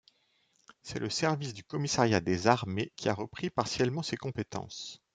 C'est le Service du commissariat des armées qui a repris, partiellement, ses compétences.